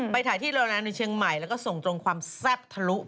ไปถ่ายที่โรนานในเชียงใหม่แล้วก็ส่งตรงความแซ่บทะลุ